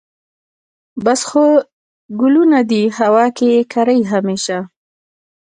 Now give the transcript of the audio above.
بس خو ګلونه دي هوا کې یې کرې همیشه